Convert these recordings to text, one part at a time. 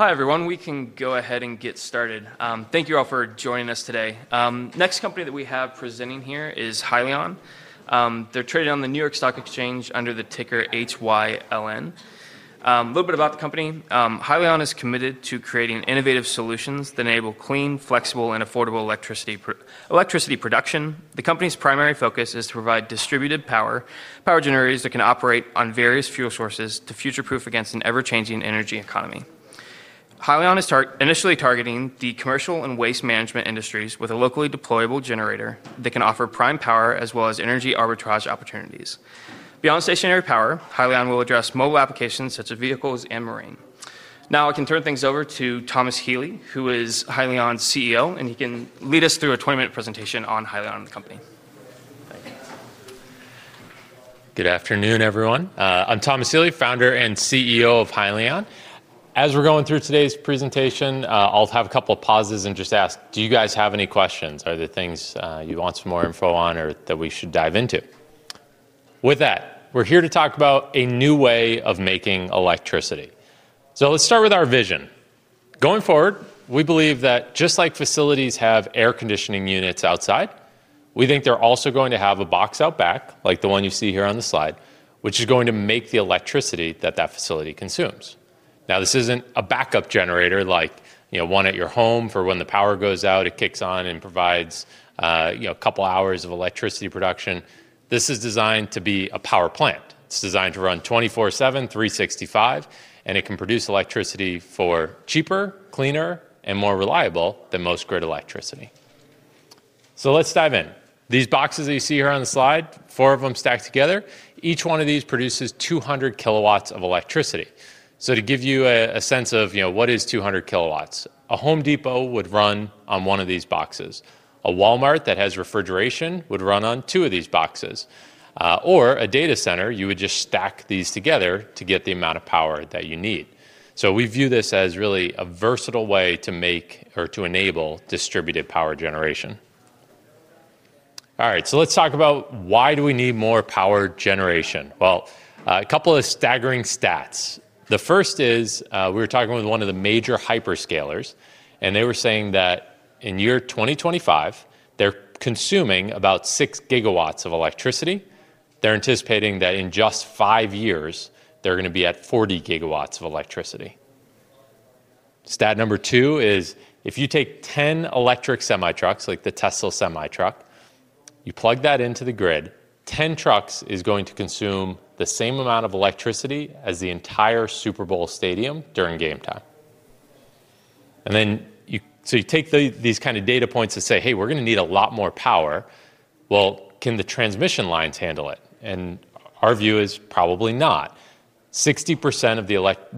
Okay. Hi, everyone. We can go ahead and get started. Thank you all for joining us today. The next company that we have presenting here is Hyliion. They're traded on the New York Stock Exchange under the ticker HYLN. A little bit about the company: Hyliion is committed to creating innovative solutions that enable clean, flexible, and affordable electricity production. The company's primary focus is to provide distributed power generators that can operate on various fuel sources to future-proof against an ever-changing energy economy. Hyliion is initially targeting the commercial and waste management industries with a locally deployable generator that can offer prime power as well as energy arbitrage opportunities. Beyond stationary power, Hyliion will address mobile applications such as vehicles and marine. Now, I can turn things over to Thomas Healy, who is Hyliion's CEO, and he can lead us through a 20-minute presentation on Hyliion and the company. Good afternoon, everyone. I'm Thomas Healy, founder and CEO of Hyliion. As we're going through today's presentation, I'll have a couple of pauses and just ask, do you guys have any questions? Are there things you want some more info on or that we should dive into? With that, we're here to talk about a new way of making electricity. So let's start with our vision. Going forward, we believe that just like facilities have air conditioning units outside, we think they're also going to have a box out back, like the one you see here on the slide, which is going to make the electricity that that facility consumes. Now, this isn't a backup generator like one at your home for when the power goes out. It kicks on and provides a couple of hours of electricity production. This is designed to be a power plant. It's designed to run 24/7, 365, and it can produce electricity for cheaper, cleaner, and more reliable than most grid electricity, so let's dive in. These boxes that you see here on the slide, four of them stacked together, each one of these produces 200 kilowatts of electricity, so to give you a sense of what is 200 kilowatts, a Home Depot would run on one of these boxes. A Walmart that has refrigeration would run on two of these boxes. Or a data center, you would just stack these together to get the amount of power that you need. So we view this as really a versatile way to make or to enable distributed power generation, all right, so let's talk about why do we need more power generation, well, a couple of staggering stats. The first is we were talking with one of the major hyperscalers, and they were saying that in year 2025, they're consuming about 6 gigawatts of electricity. They're anticipating that in just five years, they're going to be at 40 gigawatts of electricity. Stat number two is if you take 10 electric semi-trucks like the Tesla semi-truck, you plug that into the grid, 10 trucks is going to consume the same amount of electricity as the entire Super Bowl stadium during game time. And then so you take these kind of data points and say, "Hey, we're going to need a lot more power." Can the transmission lines handle it? And our view is probably not. 60% of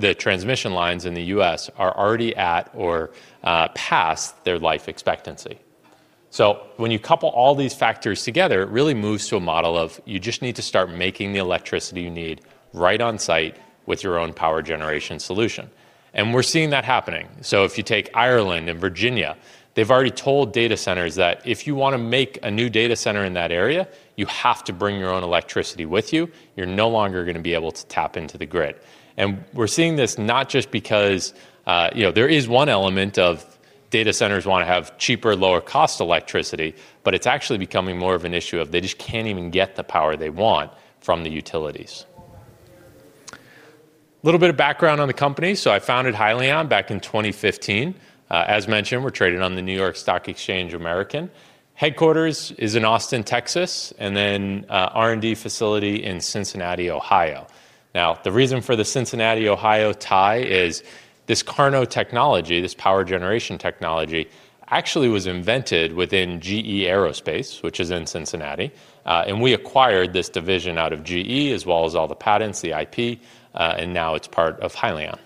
the transmission lines in the U.S. are already at or past their life expectancy. So when you couple all these factors together, it really moves to a model of you just need to start making the electricity you need right on site with your own power generation solution. And we're seeing that happening. So if you take Ireland and Virginia, they've already told data centers that if you want to make a new data center in that area, you have to bring your own electricity with you. You're no longer going to be able to tap into the grid. And we're seeing this not just because there is one element of data centers want to have cheaper, lower-cost electricity, but it's actually becoming more of an issue of they just can't even get the power they want from the utilities. A little bit of background on the company. So I founded Hyliion back in 2015. As mentioned, we're traded on the New York Stock Exchange. Headquarters is in Austin, Texas, and then R&D facility in Cincinnati, Ohio. Now, the reason for the Cincinnati, Ohio tie is this KARNO technology, this power generation technology, actually was invented within GE Aerospace, which is in Cincinnati, and we acquired this division out of GE as well as all the patents, the IP, and now it's part of Hyliion.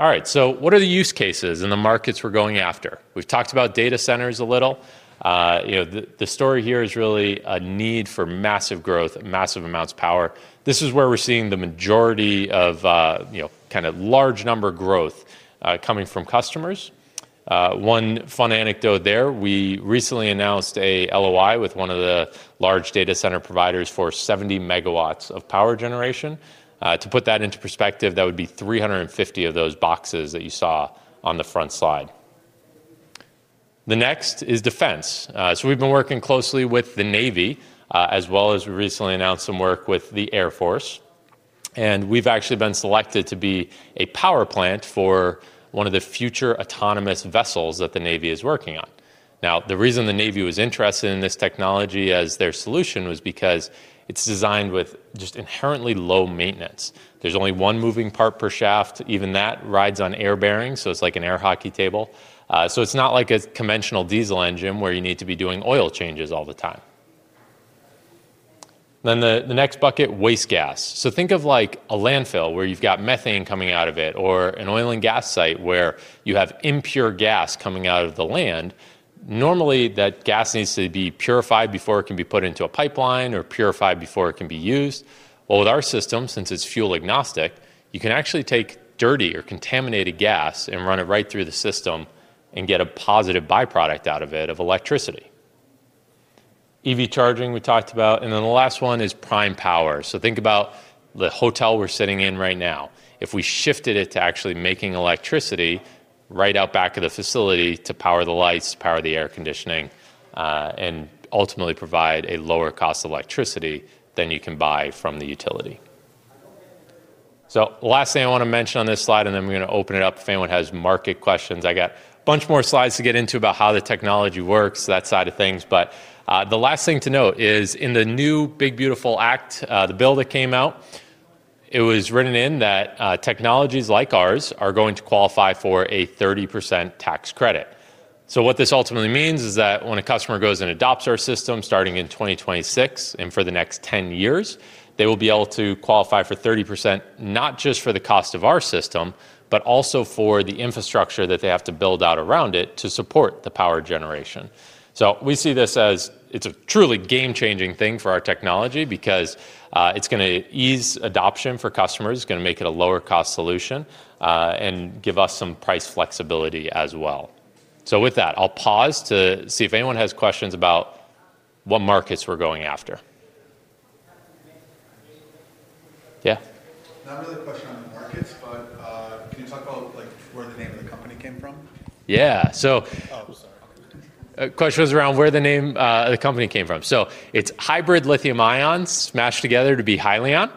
All right, so what are the use cases and the markets we're going after? We've talked about data centers a little. The story here is really a need for massive growth, massive amounts of power. This is where we're seeing the majority of kind of large number growth coming from customers. One fun anecdote there, we recently announced a LOI with one of the large data center providers for 70 megawatts of power generation. To put that into perspective, that would be 350 of those boxes that you saw on the front slide. The next is defense. So we've been working closely with the Navy, as well as, we recently announced some work with the Air Force. And we've actually been selected to be a power plant for one of the future autonomous vessels that the Navy is working on. Now, the reason the Navy was interested in this technology as their solution was because it's designed with just inherently low maintenance. There's only one moving part per shaft. Even that rides on air bearings, so it's like an air hockey table. So it's not like a conventional diesel engine where you need to be doing oil changes all the time. Then the next bucket, waste gas. So think of like a landfill where you've got methane coming out of it or an oil and gas site where you have impure gas coming out of the land. Normally, that gas needs to be purified before it can be put into a pipeline or purified before it can be used. Well, with our system, since it's fuel agnostic, you can actually take dirty or contaminated gas and run it right through the system and get a positive byproduct out of it of electricity. EV charging we talked about. And then the last one is prime power. So think about the hotel we're sitting in right now. If we shifted it to actually making electricity right out back of the facility to power the lights, to power the air conditioning, and ultimately provide a lower-cost electricity than you can buy from the utility. So last thing I want to mention on this slide, and then we're going to open it up if anyone has market questions. I got a bunch more slides to get into about how the technology works, that side of things. But the last thing to note is in the new Build Black Better Act, the bill that came out, it was written in that technologies like ours are going to qualify for a 30% tax credit. So what this ultimately means is that when a customer goes and adopts our system starting in 2026 and for the next 10 years, they will be able to qualify for 30%, not just for the cost of our system, but also for the infrastructure that they have to build out around it to support the power generation. So we see this as it's a truly game-changing thing for our technology because it's going to ease adoption for customers, going to make it a lower-cost solution, and give us some price flexibility as well. So with that, I'll pause to see if anyone has questions about what markets we're going after. Yeah? Not really a question on the markets, but can you talk about where the name of the company came from? Yeah. So. Oh, sorry. The question was around where the name of the company came from, so it's hybrid lithium-ion smashed together to be Hyliion,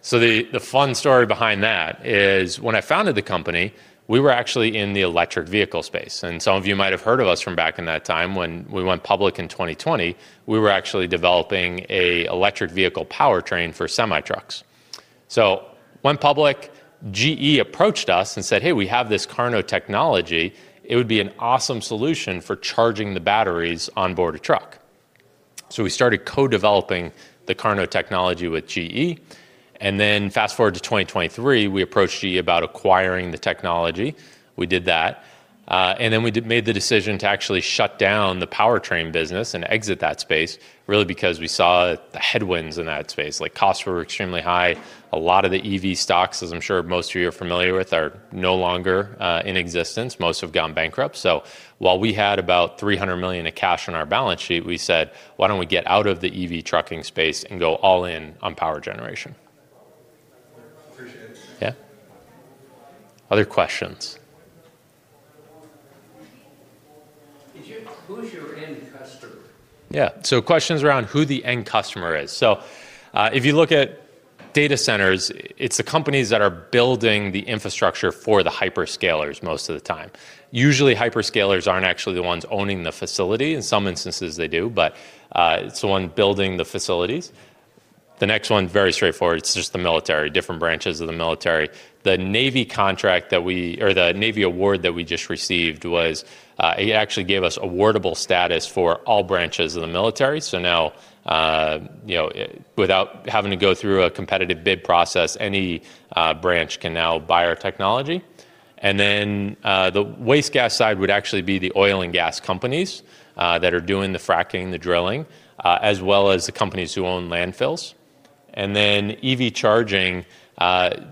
so the fun story behind that is when I founded the company, we were actually in the electric vehicle space, and some of you might have heard of us from back in that time when we went public in 2020, we were actually developing an electric vehicle powertrain for semi-trucks, so when public GE approached us and said, "Hey, we have this KARNO technology, it would be an awesome solution for charging the batteries on board a truck," so we started co-developing the KARNO technology with GE, and then fast forward to 2023, we approached GE about acquiring the technology. We did that. We made the decision to actually shut down the powertrain business and exit that space really because we saw the headwinds in that space. Like costs were extremely high. A lot of the EV stocks, as I'm sure most of you are familiar with, are no longer in existence. Most have gone bankrupt. While we had about $300 million of cash on our balance sheet, we said, "Why don't we get out of the EV trucking space and go all in on power generation? Appreciate it. Yeah? Other questions? Who's your end customer? Yeah. So, questions around who the end customer is. So, if you look at data centers, it's the companies that are building the infrastructure for the hyperscalers most of the time. Usually, hyperscalers aren't actually the ones owning the facility. In some instances, they do, but it's the one building the facilities. The next one, very straightforward, it's just the military, different branches of the military. The Navy contract that we or the Navy award that we just received was. It actually gave us awardable status for all branches of the military. So now, without having to go through a competitive bid process, any branch can now buy our technology. And then the waste gas side would actually be the oil and gas companies that are doing the fracking, the drilling, as well as the companies who own landfills. And then EV charging,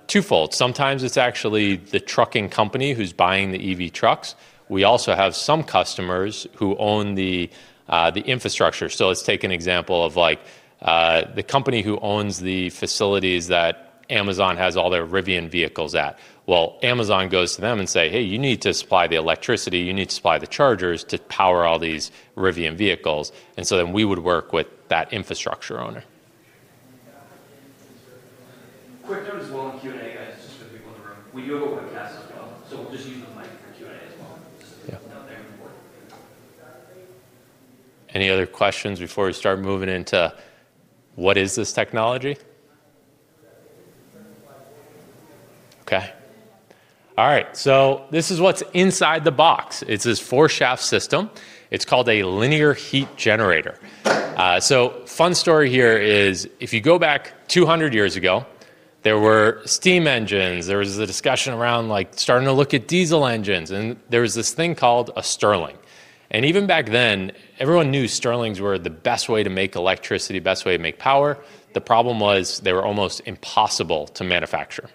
twofold. Sometimes it's actually the trucking company who's buying the EV trucks. We also have some customers who own the infrastructure. So let's take an example of like the company who owns the facilities that Amazon has all their Rivian vehicles at. Well, Amazon goes to them and says, "Hey, you need to supply the electricity. You need to supply the chargers to power all these Rivian vehicles." And so then we would work with that infrastructure owner. Quick note as well in Q&A, guys, just for the people in the room. We do have a webcast as well, so we'll just use the mic for Q&A as well. Any other questions before we start moving into what is this technology? Okay. All right. So this is what's inside the box. It's this four-shaft system. It's called a linear heat generator. So fun story here is if you go back 200 years ago, there were steam engines. There was a discussion around starting to look at diesel engines, and there was this thing called a Stirling. Even back then, everyone knew Stirlings were the best way to make electricity, best way to make power. The problem was they were almost impossible to manufacture.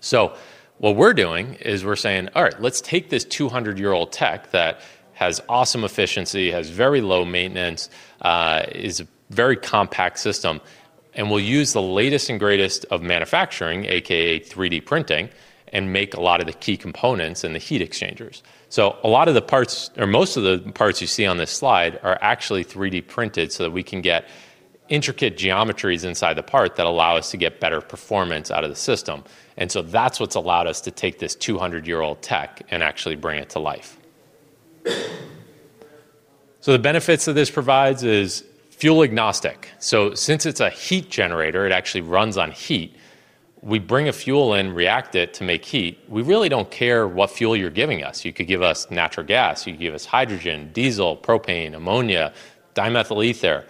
So what we're doing is we're saying, "All right, let's take this 200-year-old tech that has awesome efficiency, has very low maintenance, is a very compact system, and we'll use the latest and greatest of manufacturing, a.k.a. 3D printing, and make a lot of the key components and the heat exchangers, so a lot of the parts or most of the parts you see on this slide are actually 3D printed so that we can get intricate geometries inside the part that allow us to get better performance out of the system, and so that's what's allowed us to take this 200-year-old tech and actually bring it to life, so the benefits that this provides is fuel agnostic, so since it's a heat generator, it actually runs on heat. We bring a fuel in, react it to make heat. We really don't care what fuel you're giving us. You could give us natural gas. You could give us hydrogen, diesel, propane, ammonia, dimethyl ether.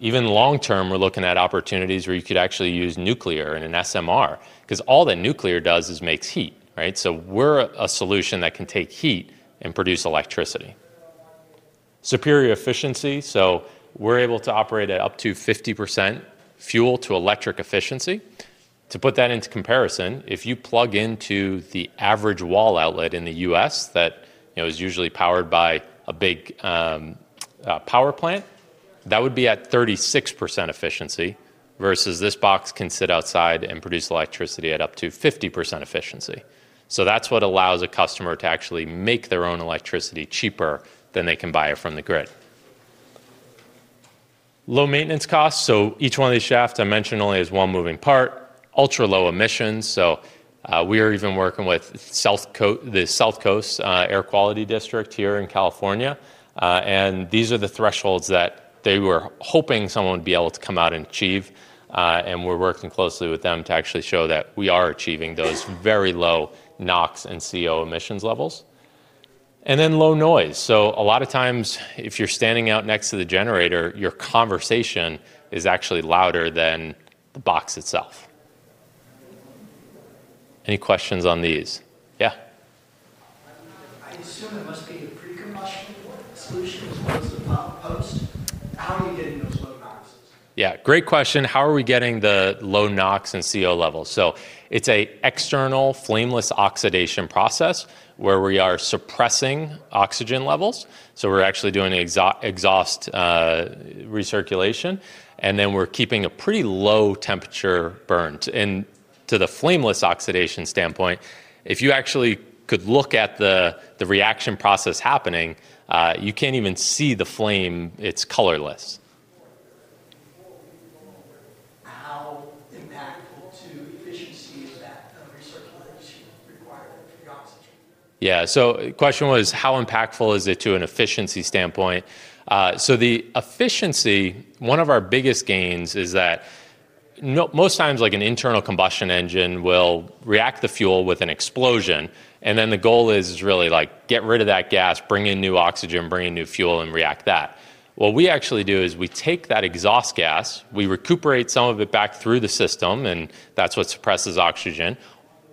Even long term, we're looking at opportunities where you could actually use nuclear in an SMR because all that nuclear does is make heat, right? So we're a solution that can take heat and produce electricity. Superior efficiency. So we're able to operate at up to 50% fuel-to-electric efficiency. To put that into comparison, if you plug into the average wall outlet in the U.S. that is usually powered by a big power plant, that would be at 36% efficiency versus this box can sit outside and produce electricity at up to 50% efficiency. So that's what allows a customer to actually make their own electricity cheaper than they can buy it from the grid. Low maintenance costs. So each one of these shafts I mentioned only has one moving part. Ultra low emissions. So we are even working with the South Coast Air Quality District here in California. And these are the thresholds that they were hoping someone would be able to come out and achieve. And we're working closely with them to actually show that we are achieving those very low NOx and CO emissions levels. And then low noise. So a lot of times if you're standing out next to the generator, your conversation is actually louder than the box itself. Any questions on these? Yeah? I assume it must be a pre-combustion solution as well as the pump post. How are you getting those low NOx? Yeah. Great question. How are we getting the low NOx and CO levels? So it's an external flameless oxidation process where we are suppressing oxygen levels. So we're actually doing exhaust recirculation. And then we're keeping a pretty low-temperature burn. And to the flameless oxidation standpoint, if you actually could look at the reaction process happening, you can't even see the flame. It's colorless. How impactful to efficiency is that recirculation required of the oxygen? Yeah. So the question was, how impactful is it to an efficiency standpoint? So the efficiency, one of our biggest gains is that most times like an internal combustion engine will react the fuel with an explosion. And then the goal is really like get rid of that gas, bring in new oxygen, bring in new fuel, and react that. What we actually do is we take that exhaust gas, we recuperate some of it back through the system, and that's what suppresses oxygen.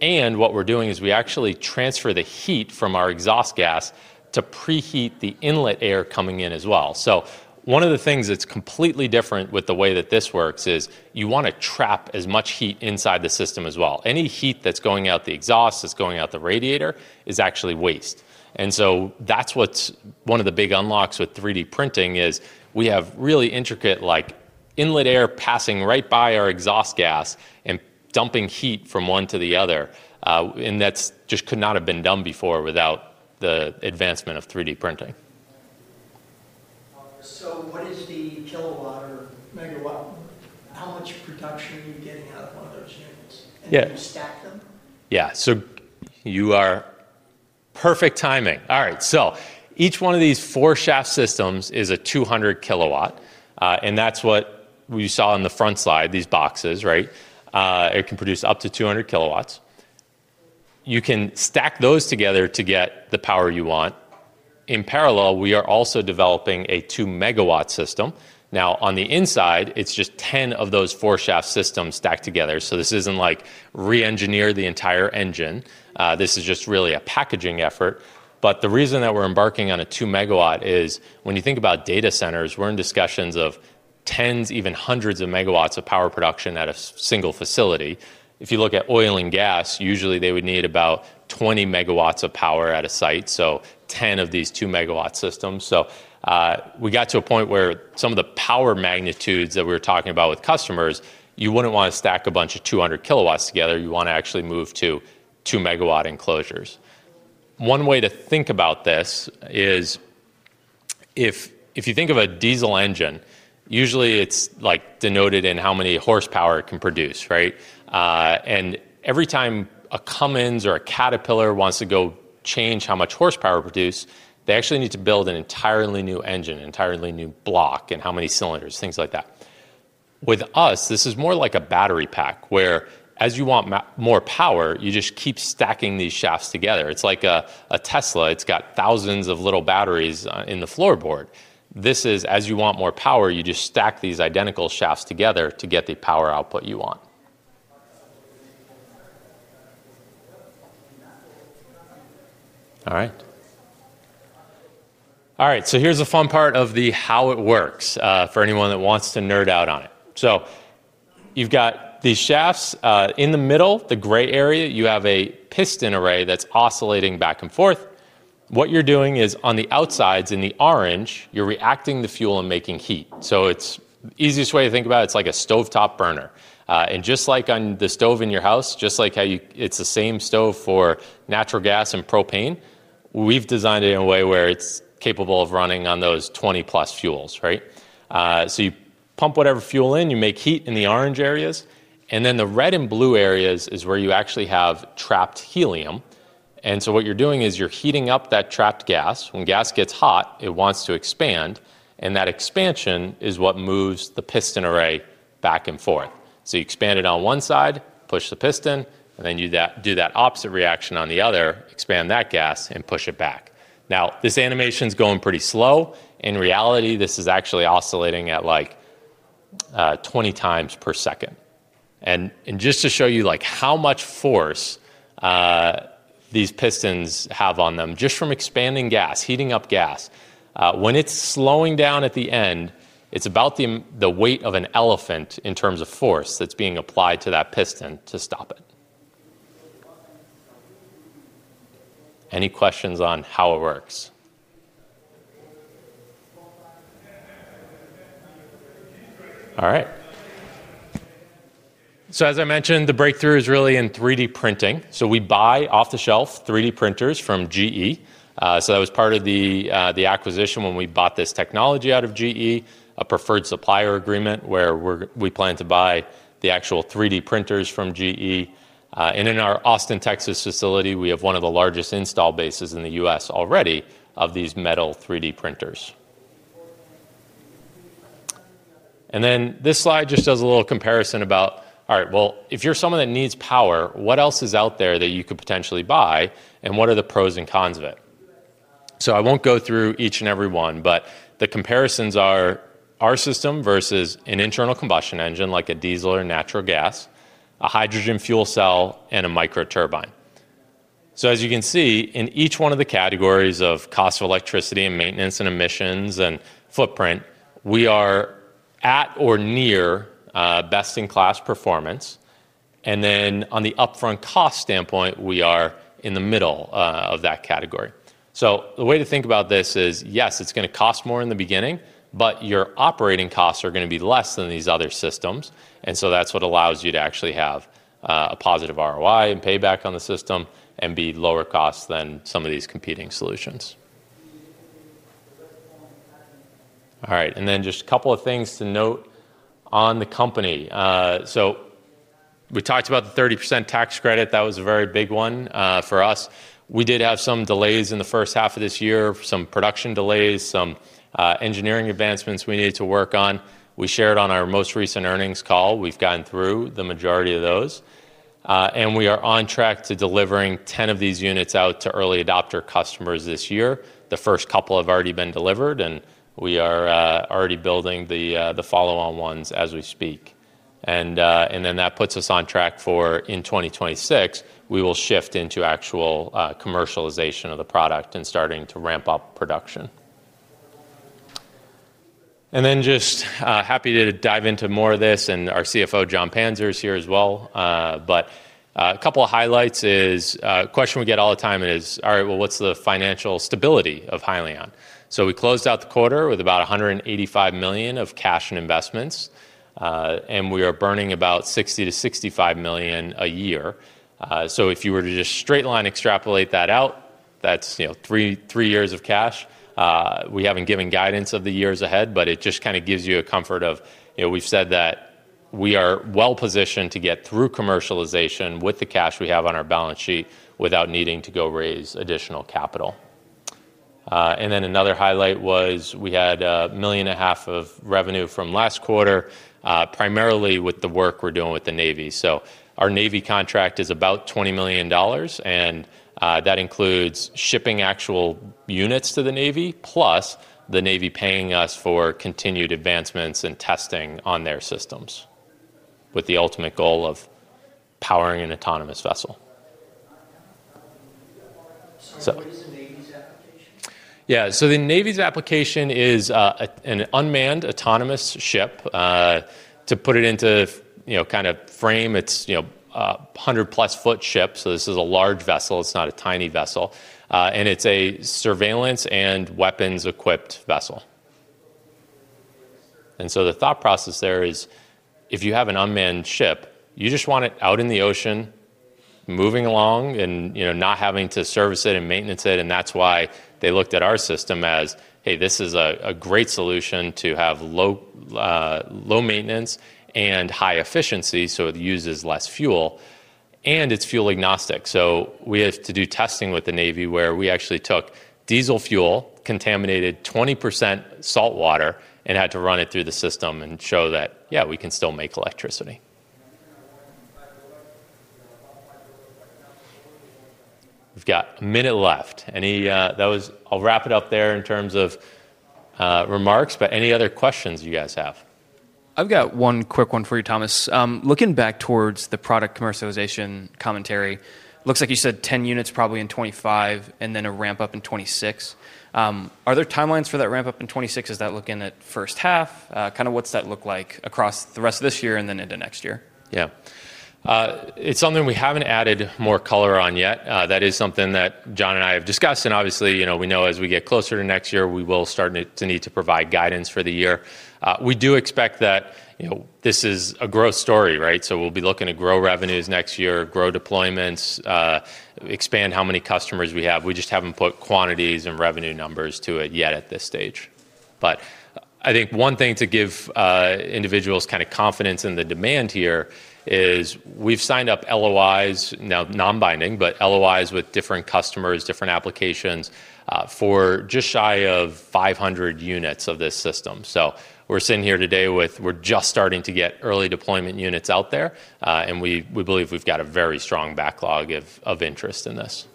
And what we're doing is we actually transfer the heat from our exhaust gas to preheat the inlet air coming in as well. So one of the things that's completely different with the way that this works is you want to trap as much heat inside the system as well. Any heat that's going out the exhaust, that's going out the radiator is actually waste. And so that's what's one of the big unlocks with 3D printing is we have really intricate inlet air passing right by our exhaust gas and dumping heat from one to the other. And that just could not have been done before without the advancement of 3D printing. So what is the kilowatt or megawatt? How much production are you getting out of one of those units? Yeah. Can you stack them? Yeah. So. You are perfect timing. All right. So each one of these four-shaft systems is a 200-kilowatt. And that's what we saw on the front slide, these boxes, right? It can produce up to 200 kilowatts. You can stack those together to get the power you want. In parallel, we are also developing a 2-megawatt system. Now, on the inside, it's just 10 of those four-shaft systems stacked together. So this isn't like re-engineer the entire engine. This is just really a packaging effort. But the reason that we're embarking on a 2-megawatt is when you think about data centers, we're in discussions of tens, even hundreds of megawatts of power production at a single facility. If you look at oil and gas, usually they would need about 20 megawatts of power at a site, so 10 of these 2-megawatt systems. So we got to a point where some of the power magnitudes that we were talking about with customers. You wouldn't want to stack a bunch of 200 kilowatts together. You want to actually move to two-megawatt enclosures. One way to think about this is if you think of a diesel engine, usually it's denoted in how many horsepower it can produce, right? And every time a Cummins or a Caterpillar wants to go change how much horsepower produced, they actually need to build an entirely new engine, an entirely new block, and how many cylinders, things like that. With us, this is more like a battery pack whereas you want more power, you just keep stacking these shafts together. It's like a Tesla. It's got thousands of little batteries in the floorboard. This is as you want more power, you just stack these identical shafts together to get the power output you want. All right. All right. So here's the fun part of how it works for anyone that wants to nerd out on it. So you've got these shafts. In the middle, the gray area, you have a piston array that's oscillating back and forth. What you're doing is on the outsides in the orange, you're reacting the fuel and making heat. So it's the easiest way to think about it. It's like a stovetop burner. And just like on the stove in your house, just like how it's the same stove for natural gas and propane, we've designed it in a way where it's capable of running on those 20-plus fuels, right? So you pump whatever fuel in, you make heat in the orange areas. And then the red and blue areas is where you actually have trapped helium. And so what you're doing is you're heating up that trapped gas. When gas gets hot, it wants to expand. And that expansion is what moves the piston array back and forth. So you expand it on one side, push the piston, and then you do that opposite reaction on the other, expand that gas and push it back. Now, this animation is going pretty slow. In reality, this is actually oscillating at like 20 times per second. And just to show you how much force these pistons have on them, just from expanding gas, heating up gas, when it's slowing down at the end, it's about the weight of an elephant in terms of force that's being applied to that piston to stop it. Any questions on how it works? All right. As I mentioned, the breakthrough is really in 3D printing. We buy off-the-shelf 3D printers from GE. That was part of the acquisition when we bought this technology out of GE, a preferred supplier agreement where we plan to buy the actual 3D printers from GE. In our Austin, Texas facility, we have one of the largest installed bases in the U.S. already of these metal 3D printers. This slide just does a little comparison about, all right, well, if you're someone that needs power, what else is out there that you could potentially buy, and what are the pros and cons of it. I won't go through each and every one, but the comparisons are our system versus an internal combustion engine like a diesel or natural gas, a hydrogen fuel cell, and a microturbine. So as you can see, in each one of the categories of cost of electricity and maintenance and emissions and footprint, we are at or near best-in-class performance. And then on the upfront cost standpoint, we are in the middle of that category. So the way to think about this is, yes, it's going to cost more in the beginning, but your operating costs are going to be less than these other systems. And so that's what allows you to actually have a positive ROI and payback on the system and be lower cost than some of these competing solutions. All right. And then just a couple of things to note on the company. So we talked about the 30% tax credit. That was a very big one for us. We did have some delays in the first half of this year, some production delays, some engineering advancements we needed to work on. We shared on our most recent earnings call. We've gotten through the majority of those, and we are on track to delivering 10 of these units out to early adopter customers this year. The first couple have already been delivered, and we are already building the follow-on ones as we speak, and then that puts us on track for, in 2026, we will shift into actual commercialization of the product and starting to ramp up production. And then, just happy to dive into more of this, and our CFO, Jon Panzer, is here as well, but a couple of highlights is a question we get all the time is, all right, well, what's the financial stability of Hyliion? So we closed out the quarter with about $185 million of cash and investments. And we are burning about $60 million-$65 million a year. So if you were to just straight line extrapolate that out, that's three years of cash. We haven't given guidance of the years ahead, but it just kind of gives you a comfort of we've said that we are well-positioned to get through commercialization with the cash we have on our balance sheet without needing to go raise additional capital. And then another highlight was we had $1.5 million of revenue from last quarter, primarily with the work we're doing with the Navy. So our Navy contract is about $20 million. And that includes shipping actual units to the Navy, plus the Navy paying us for continued advancements and testing on their systems with the ultimate goal of powering an autonomous vessel. What is the Navy's application? Yeah. So the Navy's application is an unmanned autonomous ship. To put it into kind of frame, it's a 100-plus-foot ship. So this is a large vessel. It's not a tiny vessel. And it's a surveillance and weapons-equipped vessel. And so the thought process there is if you have an unmanned ship, you just want it out in the ocean moving along and not having to service it and maintenance it. And that's why they looked at our system as, hey, this is a great solution to have low maintenance and high efficiency. So it uses less fuel. And it's fuel agnostic. So we have to do testing with the Navy where we actually took diesel fuel, contaminated 20% salt water, and had to run it through the system and show that, yeah, we can still make electricity. We've got a minute left. I'll wrap it up there in terms of remarks. But any other questions you guys have? I've got one quick one for you, Thomas. Looking back towards the product commercialization commentary, looks like you said 10 units probably in 2025 and then a ramp-up in 2026. Are there timelines for that ramp-up in 2026? Is that looking at first half? Kind of what's that look like across the rest of this year and then into next year? Yeah. It's something we haven't added more color on yet. That is something that John and I have discussed. And obviously, we know as we get closer to next year, we will start to need to provide guidance for the year. We do expect that this is a growth story, right? So we'll be looking to grow revenues next year, grow deployments, expand how many customers we have. We just haven't put quantities and revenue numbers to it yet at this stage. But I think one thing to give individuals kind of confidence in the demand here is we've signed up LOIs, now non-binding, but LOIs with different customers, different applications for just shy of 500 units of this system. So we're sitting here today. We're just starting to get early deployment units out there. And we believe we've got a very strong backlog of interest in this.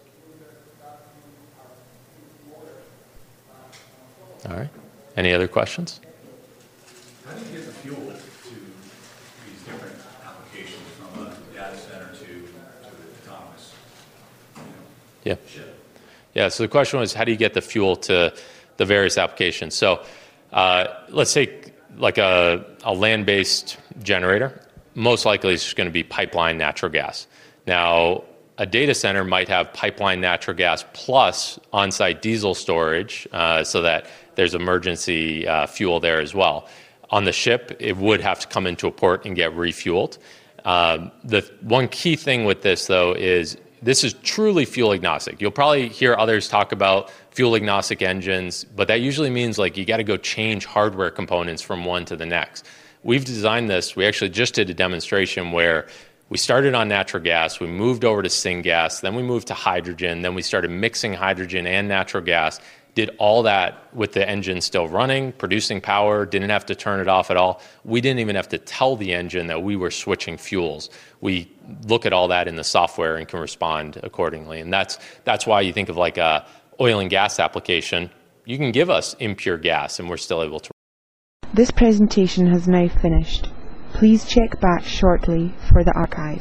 All right. Any other questions? How do you get the fuel to these different applications from a data center to an autonomous ship? Yeah, so the question was, how do you get the fuel to the various applications, so let's take a land-based generator. Most likely, it's just going to be pipeline natural gas. Now, a data center might have pipeline natural gas plus on-site diesel storage so that there's emergency fuel there as well. On the ship, it would have to come into a port and get refueled. The one key thing with this, though, is this is truly fuel agnostic. You'll probably hear others talk about fuel agnostic engines, but that usually means you got to go change hardware components from one to the next. We've designed this. We actually just did a demonstration where we started on natural gas. We moved over to syngas. Then we moved to hydrogen. Then we started mixing hydrogen and natural gas, did all that with the engine still running, producing power, didn't have to turn it off at all. We didn't even have to tell the engine that we were switching fuels. We look at all that in the software and can respond accordingly. And that's why you think of an oil and gas application. You can give us impure gas, and we're still able to. This presentation has now finished. Please check back shortly for the archive.